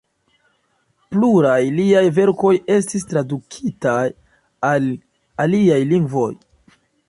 Pluraj liaj verkoj estis tradukitaj al aliaj lingvoj.